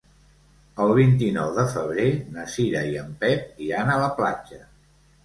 El vint-i-nou de febrer na Cira i en Pep iran a la platja.